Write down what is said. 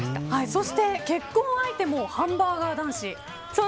そして、結婚相手もハンバーガー男子。